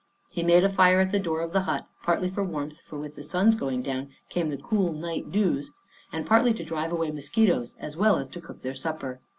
He made a fire at the door of the hut, partly for warmth, for with the sun's going down came the cool night dews, and partly to drive away mosquitoes, as well as to cook their supper.